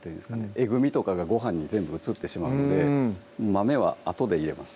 えぐみとかがご飯に全部移ってしまうので豆はあとで入れます